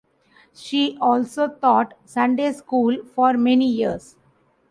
She also taught Sunday school for many years.